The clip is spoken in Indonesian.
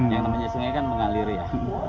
yang namanya sungai kan mengalir ya